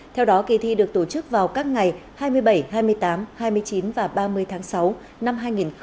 theo đó kỳ thi được tổ chức vào các ngày hai mươi bảy hai mươi tám hai mươi chín và ba mươi tháng sáu năm hai nghìn một mươi chín